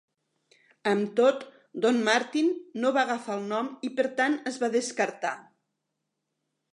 Amb tot, Don Martin no va agafar el nom i, per tant, es va descartar.